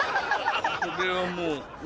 これはもう。